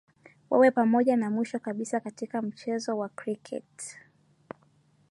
wawe pamoja na mwisho kabisa katika mchezo wa kriketi